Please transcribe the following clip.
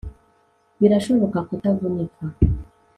Birashobora kutavunika